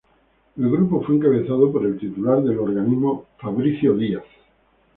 El grupo fue encabezado por el titular del organismo, Fabricio Díaz.